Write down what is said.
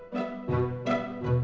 tapi belum dapat juga